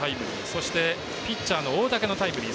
そして、ピッチャーの大竹のタイムリー。